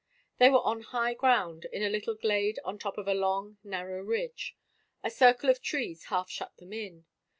They were on high ground, in a little glade Qn top of a long, narrow ridge. A circle of trees half shut them in.